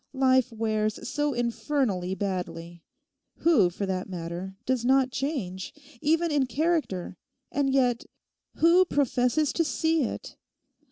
Life wears so infernally badly. Who, for that matter, does not change, even in character and yet who professes to see it?